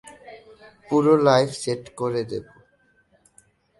পুরো life set করে দেবো।